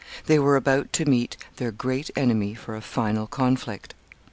They were about to meet their great enemy for a final conflict.